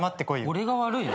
俺が悪い？